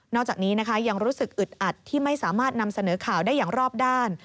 จากนี้นะคะยังรู้สึกอึดอัดที่ไม่สามารถนำเสนอข่าวได้อย่างรอบด้าน